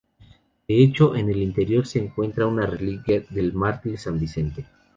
De hecho, en el interior se encuentra una reliquia del mártir San Vicente.